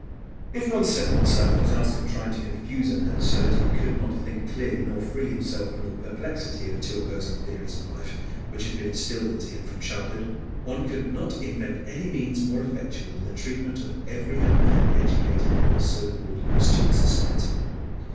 If one set oneself the task of trying to confuse a man so that he could not think clearly nor free himself from the perplexity of two opposing theories of life which had been instilled into him from childhood, one could not invent any means more effectual than the treatment of every young man educated in our so called Christian society.